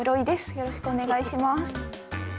よろしくお願いします。